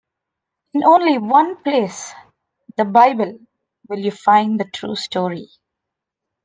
In only one place - the Bible - will you find the true story.